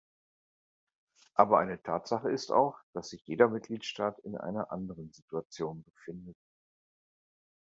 Aber eine Tatsache ist auch, dass sich jeder Mitgliedstaat in einer anderen Situation befindet.